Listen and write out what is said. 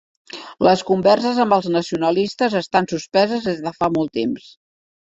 Les converses amb els nacionalistes estan suspeses des de fa molt temps.